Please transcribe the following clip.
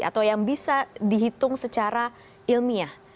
atau yang bisa dihitung secara ilmiah